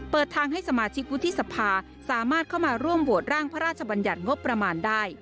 เปิดทางให้สมาชิกวุฒิสภาสามารถเข้ามาร่วมโหวตร่างพระราชบัญญัติงบประมาณได้